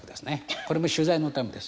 これも取材のためですよね。